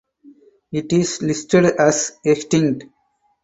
It is listed as extinct.